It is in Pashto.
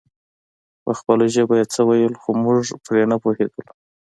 په خپله ژبه يې څه ويل خو موږ پرې نه پوهېدلو.